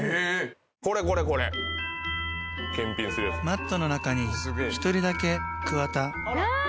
［Ｍａｔｔの中に１人だけ桑田］